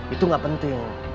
itu gak penting